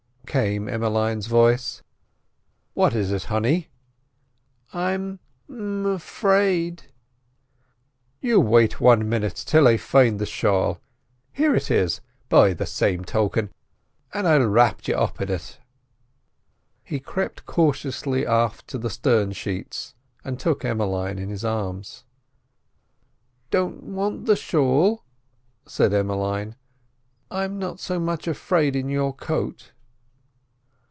came Emmeline's voice. "What is it, honey?" "I'm—m—'fraid." "You wait wan minit till I find the shawl—here it is, by the same token!—an' I'll wrap you up in it." He crept cautiously aft to the stern sheets and took Emmeline in his arms. "Don't want the shawl," said Emmeline; "I'm not so much afraid in your coat."